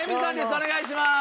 お願いします。